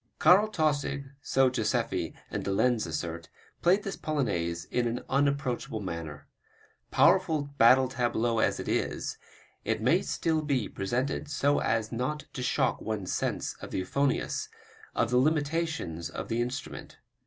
Karl Tausig, so Joseffy and de Lenz assert, played this Polonaise in an unapproachable manner. Powerful battle tableau as it is, it may still be presented so as not to shock one's sense of the euphonious, of the limitations of the instrument.